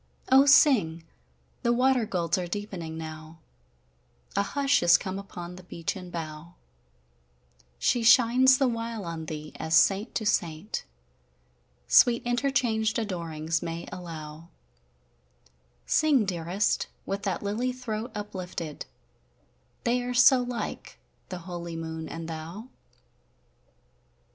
O sing! the water golds are deepening now, A hush is come upon the beechen bough; She shines the while on thee, as saint to saint Sweet interchanged adorings may allow: Sing, dearest, with that lily throat uplifted; They are so like, the holy Moon and thou!